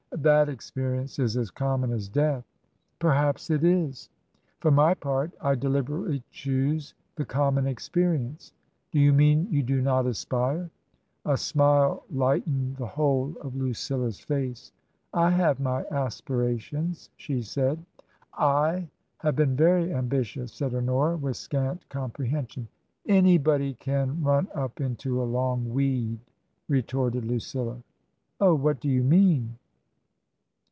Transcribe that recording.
" That experience is as common as death." " Perhaps it is." "For my part, I deliberately choose the common experience." •* Do you mean you do not aspire ?" A smile lightened the whole of Lucilla's face. " I have my aspirations," she said. '*/ have been very ambitious," said Honora, with scant comprehension. *^ Anybody can run up into a long weed," retorted Lucilla. " Oh, what do you mean